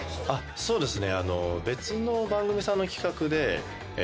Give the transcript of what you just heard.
そうですね。